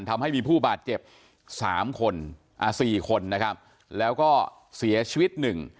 ทำให้มีผู้บาดเจ็บสามคนอ่าสี่คนนะครับแล้วก็เสียชีวิตหนึ่ง